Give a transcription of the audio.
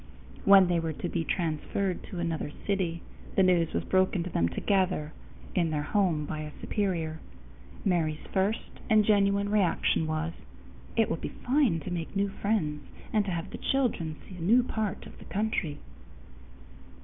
When they were to be transferred to another city, the news was broken to them together in their home by a superior. Mary's first and genuine reaction was, "It will be fine to make new friends and to have the children see a new part of the country."